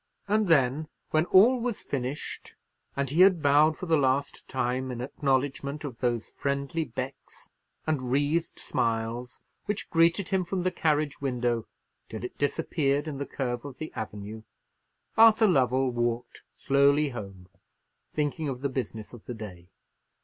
And then, when all was finished, and he had bowed for the last time in acknowledgment of those friendly becks and wreathed smiles which greeted him from the carriage window till it disappeared in the curve of the avenue, Arthur Lovell walked slowly home, thinking of the business of the day.